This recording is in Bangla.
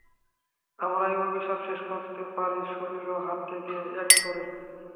আমরা এই অভিশাপ শেষ করতে পারি শরীর ও হাত কে এক করে।